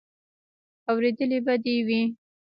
اورېدلې به دې وي.